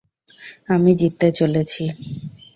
আমি জিততে চলেছি!